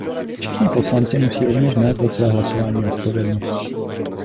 Všichni poslanci musí rovněž nést za své hlasování odpovědnost.